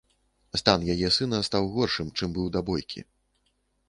Стан яе сына стаў горшым, чым быў да бойкі.